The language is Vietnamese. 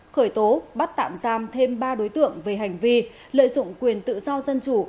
khởi tố bắt tạm giam thêm ba đối tượng về hành vi lợi dụng quyền tự do dân chủ